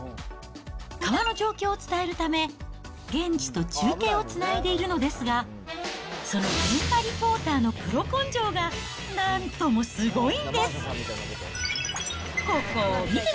川の状況を伝えるため、現地と中継をつないでいるのですが、その現場リポーターのプロ根性がなんともすごいんです。